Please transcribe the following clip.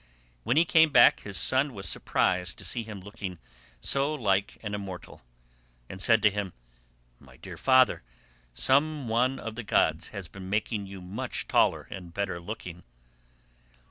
When he came back his son was surprised to see him looking so like an immortal, and said to him, "My dear father, some one of the gods has been making you much taller and better looking."